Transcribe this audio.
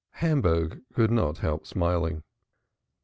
Hamburg could not help smiling.